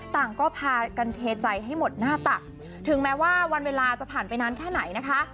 ต่างก็พากันเทใจให้หมดหน้าตักถึงแม้ว่าวันเวลาจะผ่านไปนานแค่ไหนนะคะ